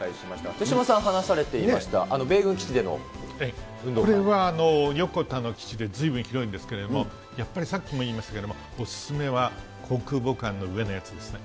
手嶋さん、話されていました、これは横田の基地でずいぶん広いんですけれども、やっぱりさっきも言いましたけども、お勧めは航空母艦の上のやつですね。